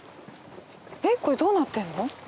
えっこれどうなってるの？